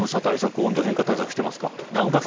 温度変化対策してますか。